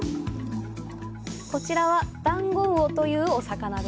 こちらはダンゴウオというお魚。